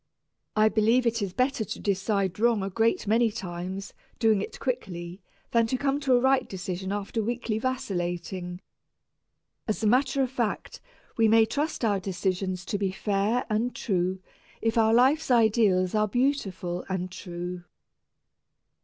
I believe it is better to decide wrong a great many times doing it quickly than to come to a right decision after weakly vacillating. As a matter of fact, we may trust our decisions to be fair and true if our life's ideals are beautiful and true.